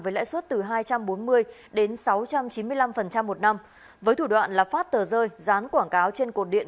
với lãi suất từ hai trăm bốn mươi đến sáu trăm chín mươi năm một năm với thủ đoạn là phát tờ rơi dán quảng cáo trên cột điện